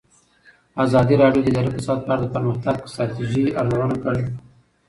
ازادي راډیو د اداري فساد په اړه د پرمختګ لپاره د ستراتیژۍ ارزونه کړې.